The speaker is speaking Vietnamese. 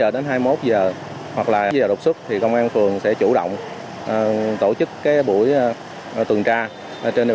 đến hai mươi một h hoặc là lúc chín h đột xuất thì công an phường sẽ chủ động tổ chức cái buổi tuần tra trên địa